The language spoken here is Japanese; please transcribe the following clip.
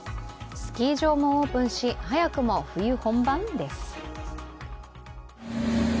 スキー場もオープンし早くも冬本番です。